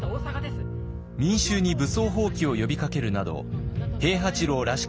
民衆に武装蜂起を呼びかけるなど平八郎らしからぬ暴挙。